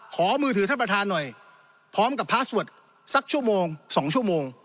ขอมือถือท่านประธานหน่อยพร้อมกับพาสเวิร์ดสักชั่วโมง๒ชั่วโมง